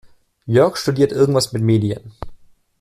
Jörg studiert irgendwas mit Medien.